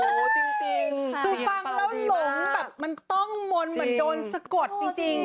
โอ้โหจริงคือฟังแล้วหลงแบบมันต้องมนต์เหมือนโดนสะกดจริง